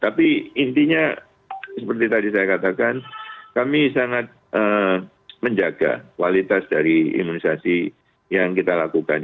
tapi intinya seperti tadi saya katakan kami sangat menjaga kualitas dari imunisasi yang kita lakukan